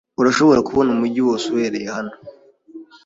Urashobora kubona umujyi wose uhereye hano.